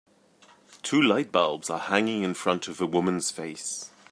Two light bulbs are hanging in front of a woman 's face.